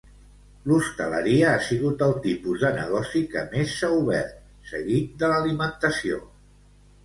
L'hostaleria ha sigut el tipus de negoci que més s'ha obert, seguit de l'alimentació.